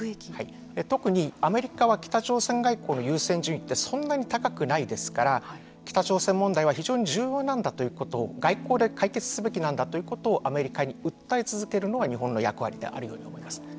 特にアメリカは北朝鮮外交の優先順位ってそんなに高くないですから北朝鮮問題は非常に重要なんだということを外交で解決すべきなんだということをアメリカに訴え続けるのが日本の役割でありえると思います。